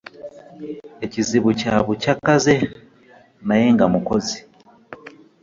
Ekizibu kya bukyakaze naye nga mukozi.